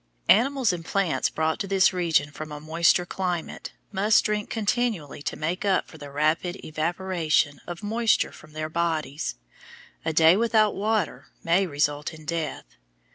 Animals and plants brought to this region from a moister climate must drink continually to make up for the rapid evaporation of moisture from their bodies; a day without water may result in death.